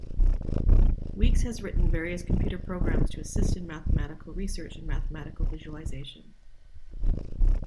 Weeks has written various computer programs to assist in mathematical research and mathematical visualization.